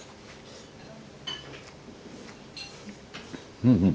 うんうん。